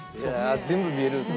全部見えるんですか！